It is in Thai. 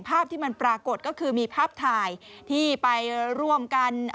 ภาพที่มันปรากฏก็คือมีภาพถ่ายที่ไปร่วมกัน